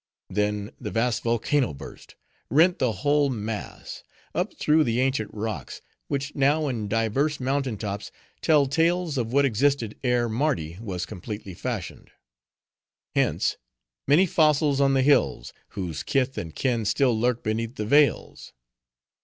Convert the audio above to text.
Then, the vast volcano burst; rent the whole mass; upthrew the ancient rocks; which now in divers mountain tops tell tales of what existed ere Mardi was completely fashioned. Hence many fossils on the hills, whose kith and kin still lurk beneath the vales.